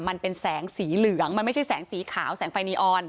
มันเป็นแสงสีเหลืองมันไม่ใช่แสงสีขาวแสงไฟนีออน